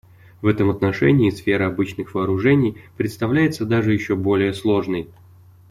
В этом отношении сфера обычных вооружений представляется даже еще более сложной.